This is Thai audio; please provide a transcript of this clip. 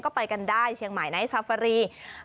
ก็ไปกันได้เชียงใหม่ไนท์ซาฟารี